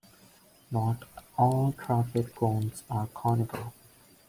Not all traffic cones are conical.